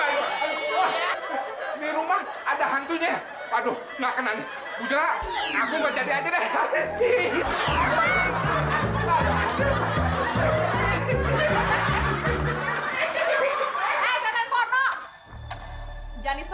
ini sufferedura jatuh makanan bucut hal calon nyjiang aja dehzam weitere t despres sagte